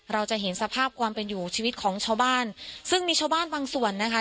เราจะเห็นสภาพความเป็นอยู่ชีวิตของชาวบ้านซึ่งมีชาวบ้านบางส่วนนะคะ